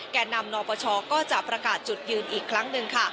แก่นำนปชก็จะประกาศจุดยืนอีกครั้งหนึ่งค่ะ